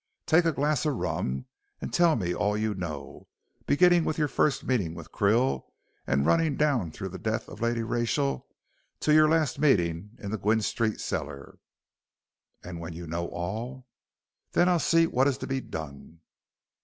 Take a glass of rum and tell me all you know, beginning with your first meeting with Krill and running down through the death of Lady Rachel to your last meeting in the Gwynne Street cellar." "And when you know all?" "Then I'll see what is to be done."